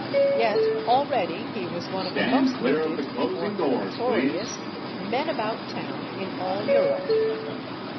Yet already he was one of the most noted or notorious men about town in all Europe.